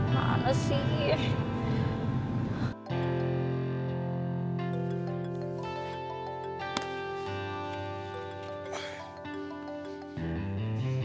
palah pak gom paling kysih